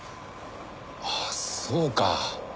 ああそうか。